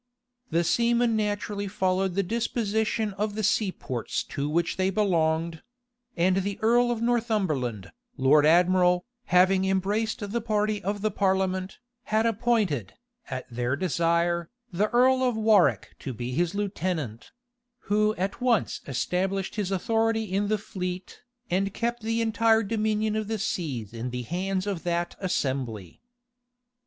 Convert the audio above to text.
The seamen naturally followed the disposition of the sea ports to which they belonged: and the earl of Northumberland, lord admiral, having embraced the party of the parliament, had appointed, at their desire, the earl of Warwick to be his lieutenant; who at once established his authority in the fleet, and kept the entire dominion of the sea in the hands of that assembly.